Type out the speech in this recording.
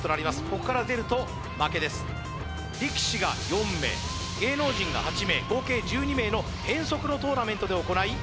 ここから出ると負けです力士が４名芸能人が８名合計１２名の変則のトーナメントで行い